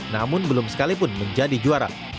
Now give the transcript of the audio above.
namun belum sekalipun menjadi juara